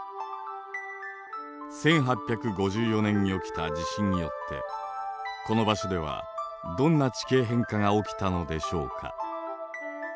１８５４年に起きた地震によってこの場所ではどんな地形変化が起きたのでしょうか？